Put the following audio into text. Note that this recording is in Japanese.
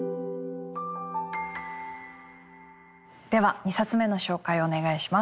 では２冊目の紹介をお願いします。